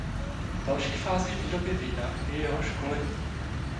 Další fází výroby vína je jeho školení.